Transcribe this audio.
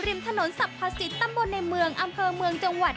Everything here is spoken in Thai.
ริมถนนสับภาษีตำบนในเมืองอำเวอเมืองจังหวัด